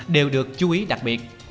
đều được chú ý đặc biệt